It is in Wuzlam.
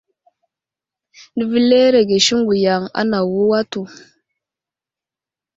Nəveleerege siŋgu yaŋ anawo atu.